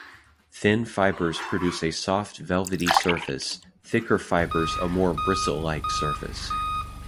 Thin fibers produce a soft velvety surface, thicker fibers a more bristle-like surface.